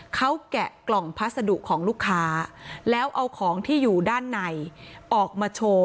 เขาแกะกล่องพัสดุของลูกค้าแล้วเอาของที่อยู่ด้านในออกมาโชว์